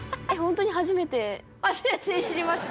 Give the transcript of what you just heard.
初めていじりました。